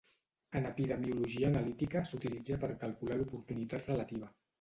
En epidemiologia analítica s'utilitza per calcular l'oportunitat relativa.